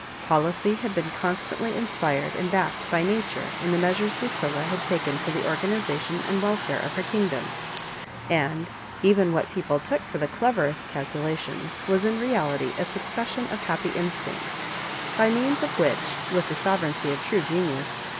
Policy had been constantly inspired and backed by nature in the measures Lucilla had taken for the organisation and welfare of her kingdom, and even what people took for the cleverest calculation was in reality a succession of happy instincts, by means of which, with the sovereignty of true genius.